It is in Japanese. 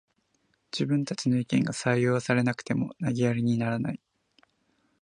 自分たちの意見が採用されなくても投げやりにならない